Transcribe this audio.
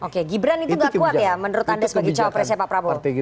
oke gibran itu gak kuat ya menurut anda sebagai cawapresnya pak prabowo